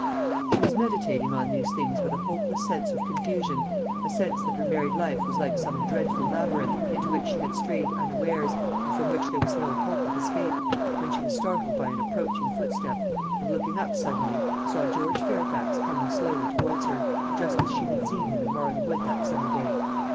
She was meditating on these things with a hopeless sense of confusion a sense that her married life was like some dreadful labyrinth, into which she had strayed unawares, and from which there was no hope of escape when she was startled by an approaching footstep, and, looking up suddenly, saw George Fairfax coming slowly towards her, just as she had seen him in Marley Wood that summer day.